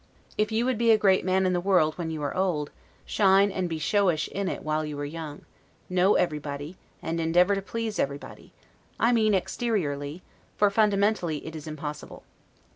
If you would be a great man in the world when you are old, shine and be showish in it while you are young, know everybody, and endeavor to please everybody, I mean exteriorly; for fundamentally it is impossible.